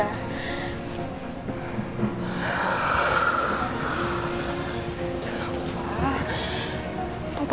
tidak ada apa apa